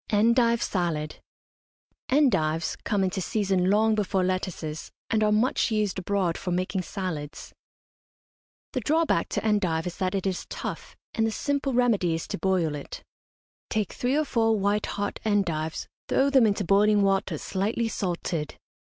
ENDIVE SALAD. Endives come into season long before lettuces, and are much used abroad for making salads. The drawback to endive is that it is tough, and the simple remedy is to boil it. Take three or four white heart endives, throw them into boiling water slightly salted.